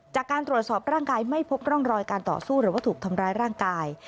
จากการตรวจสอบร่างกายไม่พบร่องรอยการต่อสู้หรือว่าถูกทำร้ายร่างกาย